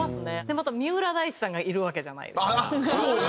また三浦大知さんがいるわけじゃないですか。